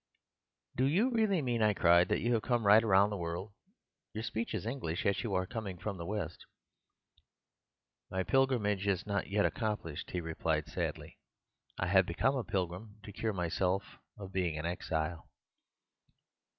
"'Do you really mean,' I cried, 'that you have come right round the world? Your speech is English, yet you are coming from the west.' "'My pilgrimage is not yet accomplished,' he replied sadly. 'I have become a pilgrim to cure myself of being an exile.